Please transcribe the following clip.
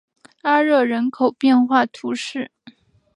阿热人口变化图示